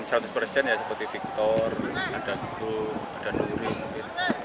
seperti victor ada go ada nuri